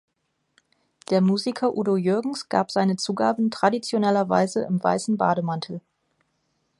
Der Musiker Udo Jürgens gab seine Zugaben traditionellerweise im weißen Bademantel.